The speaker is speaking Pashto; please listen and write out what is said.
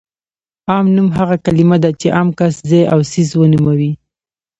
عام نوم هغه کلمه ده چې عام کس، ځای او څیز ونوموي.